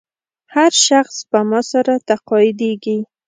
هر شخص سپما سره تقاعدېږي.